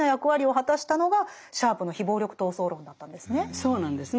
そうなんですね。